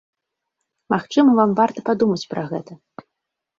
Магчыма, вам варта падумаць пра гэта.